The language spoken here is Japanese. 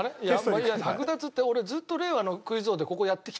いや剥奪って俺ずっと令和のクイズ王でここやってきてるんだけど。